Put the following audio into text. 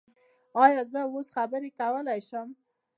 ایا زه اوس خبرې کولی شم؟